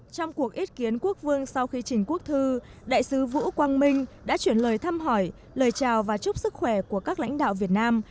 trong cuộc ý kiến quốc vương sau khi trình quốc thư đại sứ vũ quang minh đã chuyển lời thăm hỏi lời chào và chúc sức khỏe của các lãnh đạo việt nam